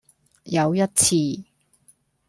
有一次